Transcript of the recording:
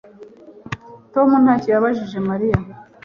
Tom ntacyo yabajije Mariya